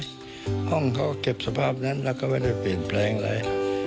ห้องเขาเก็บสภาพนั้นแล้วก็ไม่ได้เปลี่ยนแปลงอะไร